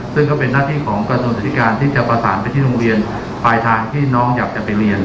ซึ่งก็เป็นหน้าที่ของกระทรวงศึกษาธิการที่จะประสานไปที่โรงเรียนปลายทางที่น้องอยากจะไปเรียน